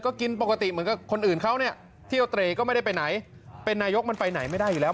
ก็กินปกติเหมือนกับคนอื่นเขาเนี่ยเที่ยวเตรก็ไม่ได้ไปไหนเป็นนายกมันไปไหนไม่ได้อยู่แล้ว